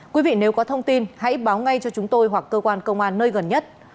quý vị nếu có thông tin hãy báo ngay cho chúng tôi hoặc cơ quan công an nơi gần nhất